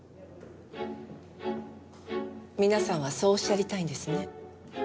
皆さんはそうおっしゃりたいんですね？